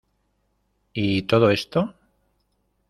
¿ y todo esto?